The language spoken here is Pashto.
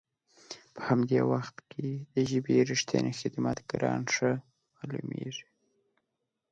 په همدي وخت کې د ژبې رښتني خدمت کاران ښه مالومیږي.